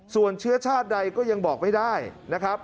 ส่วนเชื้อชาติใดก็ยังบอกไม่ได้นะครับ